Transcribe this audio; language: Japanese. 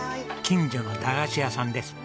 近所の駄菓子屋さんです。